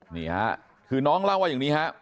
นี่ฮะคือน้องเล่าว่าอย่างนี้ฮะ